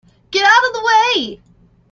Get out of the way!